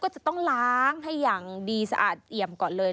ก็จะต้องล้างให้อย่างดีสะอาดเอี่ยมก่อนเลย